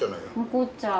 残っちゃう。